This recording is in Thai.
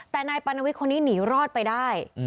แต่นายปานวิทย์คนนี้หนีรอดไปได้